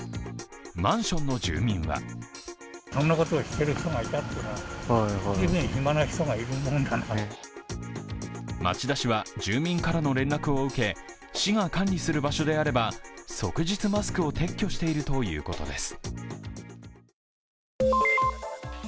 マンションの住民は町田市は住民からの連絡を受け市が管理する場所であれば即日マスクを撤去しているということです。